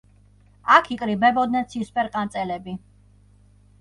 აქ იკრიბებოდნენ „ცისფერყანწელები“.